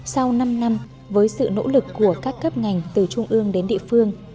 sau năm năm với sự nỗ lực của các cấp ngành từ trung ương đến địa phương